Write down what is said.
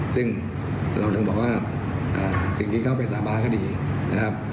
ซึ่งเราถึงบอกว่าสิ่งที่เขาไปสาบานก็ดีนะครับ